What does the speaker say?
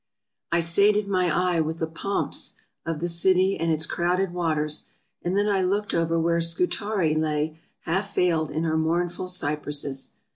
I sated my eye with the pomps of the city and its crowded waters, and then I looked over where Scutari lay half veiled in her mournful cypresses.